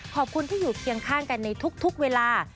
ขอบคุณที่อยู่เคียงข้างกันในทุกเวลา